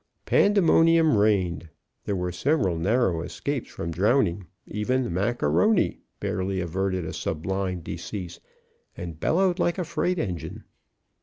Pandemonium reigned. There were several narrow escapes from drowning; even Mac A'Rony barely averted a sublime decease, and bellowed like a freight engine.